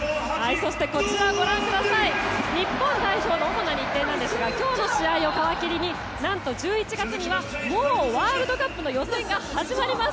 そして、日本代表の主な日程ですが今日の試合を皮切りに何と１１月にはもうワールドカップの予選が始まります！